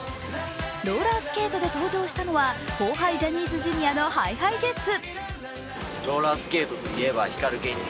ローラースケートで登場したのは後輩ジャニーズＪｒ．のＨｉＨｉＪｅｔｓ。